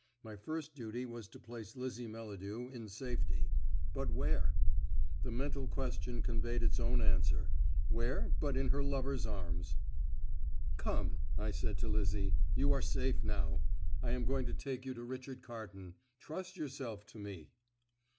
My first duty was to place Lizzie Melladew in safety; but where? The mental question conveyed its own answer. Where, but in her lover's arms? "Come," I said to Lizzie. "You are safe now. I am going to take you to Richard Carton. Trust yourself to me."